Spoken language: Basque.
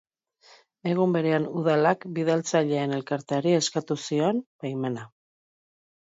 Egun berean, Udalak bidaltzaileen elkarteari eskatu zion baimena.